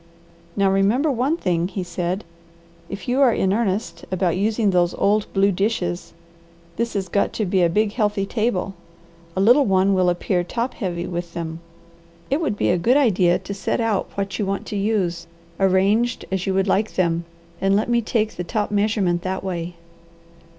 "Now remember one thing," he said. "If you are in earnest about using those old blue dishes, this has got to be a big, healthy table. A little one will appear top heavy with them. It would be a good idea to set out what you want to use, arranged as you would like them, and let me take the top measurement that way."